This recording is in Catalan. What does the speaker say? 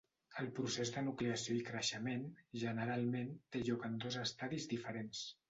El procés de nucleació i creixement, generalment, té lloc en dos estadis diferents.